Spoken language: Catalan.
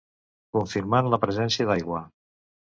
Confirmant la presència d'aigua.